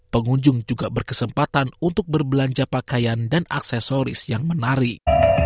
pengunjung juga berkesempatan untuk berbelanja pakaian dan aksesoris yang menarik